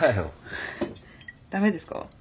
フフ駄目ですか？